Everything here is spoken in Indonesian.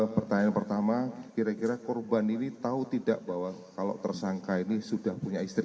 pertanyaan pertama kira kira korban ini tahu tidak bahwa kalau tersangka ini sudah punya istri